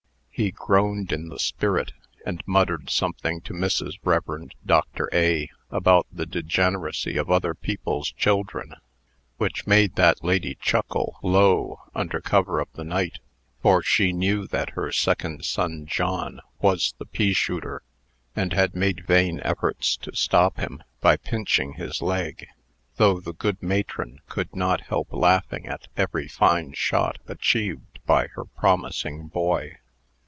He groaned in the spirit, and muttered something to Mrs. Rev. Dr. A about the degeneracy of other people's children, which made that lady chuckle low, under cover of the night; for she knew that her second son John was the pea shooter, and had made vain efforts to stop him, by pinching his leg, though the good matron could not help laughing at every fine shot achieved by her promising boy.